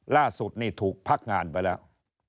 ล่าสุดนี่ถูกพักงานไปแล้ว